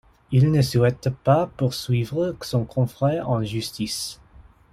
Il ne souhaite pas poursuivre son confrère en justice.